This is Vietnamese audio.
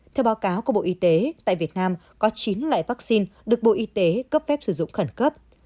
theo báo cáo của bộ y tế tại việt nam có chín loại vaccine được bộ y tế cấp phép sử dụng khẩn cấp